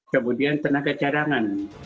kemudian tenaga cadangan